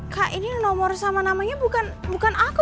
kak ini nomor sama namanya bukan aku